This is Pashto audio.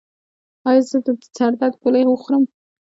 ایا زه د سر درد لپاره ګولۍ وخورم؟